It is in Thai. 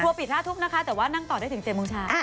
ทัวร์ปิด๕ทุ่มนะคะแต่ว่านั่งต่อได้ถึงเจมส์มงชา